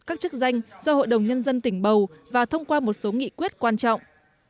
các chức danh do hội đồng nhân dân tỉnh bầu và thông qua một số nghị quyết quan trọng